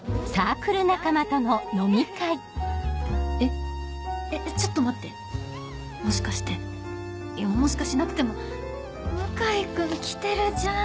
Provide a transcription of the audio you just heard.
久しぶりええちょっと待ってもしかしていやもしかしなくても向井君来てるじゃん！